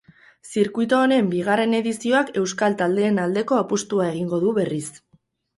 Zirkuitu honen bigarren edizioak euskal taldeen aldeko apustua egingo du berriz.